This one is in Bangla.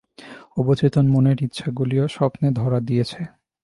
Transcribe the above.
অবচেতন মনের ইচ্ছগুলিও স্বপ্নে ধরা দিয়েছে।